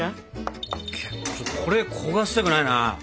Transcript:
これ焦がしたくないな。